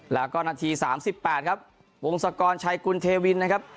แล้วก็นาทีสามสิบแปดครับวงศักรณ์ชายกุณเทวินนะครับ